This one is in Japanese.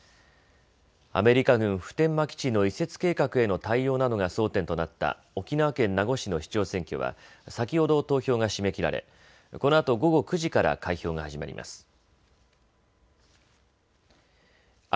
アメリカ軍普天間基地の移設計画への対応などが争点となった沖縄県名護市の市長選挙は先ほど投票が締め切られこのあと午後９時から開票が始まります。